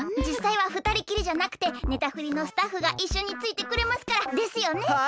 じっさいは二人きりじゃなくてネタフリのスタッフがいっしょについてくれますから。ですよね？